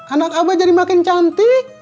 anak abah jadi makin cantik